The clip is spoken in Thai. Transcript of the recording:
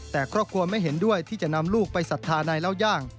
แต่ครอบครัวไม่เห็นด้วยที่จะนำลูกไปศรัทธานายเล่าย่าง